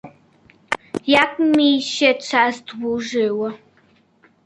"Jak mi się czas dłużył."